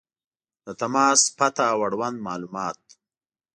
• د تماس پته او اړوند معلومات